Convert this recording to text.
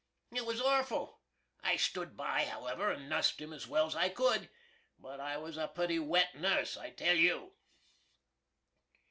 It was orful! I stood by, however, and nussed him as well's I could, but I was a putty wet nuss, I tell you.